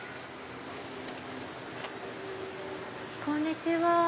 こんにちは。